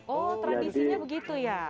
oh tradisinya begitu ya